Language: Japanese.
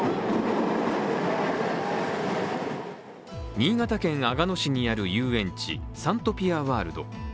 新潟県阿賀野市にある遊園地サントピアワールド。